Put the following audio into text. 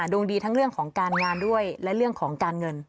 ดวงดีทั้งเรื่องของการงานด้วยและเรื่องของการเงิน